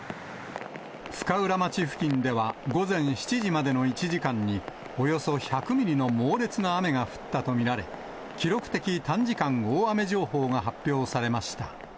深浦町付近では午前７時までの１時間に、およそ１００ミリの猛烈な雨が降ったと見られ、記録的短時間大雨情報が発表されました。